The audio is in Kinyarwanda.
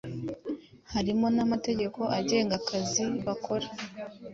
harimo namategeko agenga akazi bakora